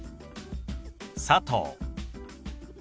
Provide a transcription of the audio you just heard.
「佐藤」。